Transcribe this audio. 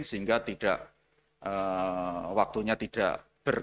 sehingga waktunya tidak berkumpul